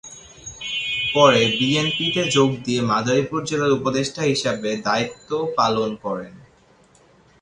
পরে বিএনপিতে যোগ দিয়ে মাদারীপুর জেলার উপদেষ্টা হিসেবে দায়িত্ব পালক করেন।